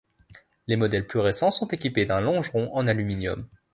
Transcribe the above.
Les modèles plus récents sont équipés d'un longeron en aluminium.